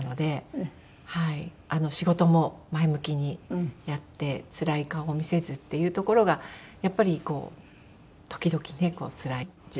仕事も前向きにやってつらい顔を見せずっていうところがやっぱり時々ねつらい時間もありましたね。